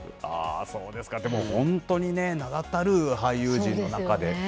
そうですか、でも、本当にね、名だたる俳優陣の中で。